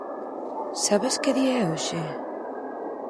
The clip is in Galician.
Sabes que día é hoxe?